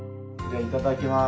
いただきます。